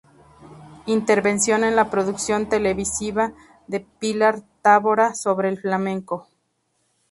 Intervención en la producción televisiva de "Pilar Távora" sobre el flamenco.